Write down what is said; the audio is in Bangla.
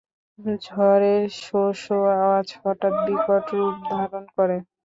ঝড়ের শো শো আওয়াজ হঠাৎ বিকটরূপ ধারণ করে।